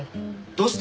どうして？